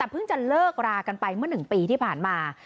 เพิ่งจะเลิกรากันไปเมื่อ๑ปีที่ผ่านมา